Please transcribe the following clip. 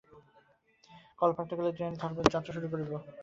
কল্য প্রাতঃকালের ট্রেনে ধারবাড় যাত্রা করিব।